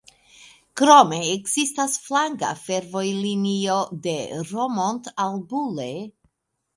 Krome ekzistas flanka fervojlinio de Romont al Bulle.